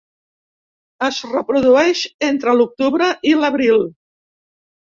Es reprodueix entre l'octubre i l'abril.